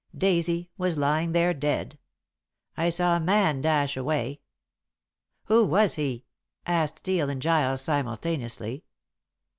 Daisy was lying there dead. I saw a man dash away " "Who was he?" asked Steel and Giles simultaneously.